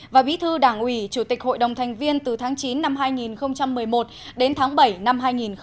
và bí thư đảng ủy chủ tịch hội đồng thành viên từ tháng chín năm hai nghìn một mươi một đến tháng bảy năm hai nghìn một mươi chín